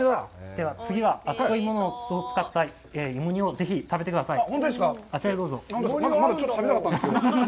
では次は悪戸いもを使った芋煮をぜひ食べてください。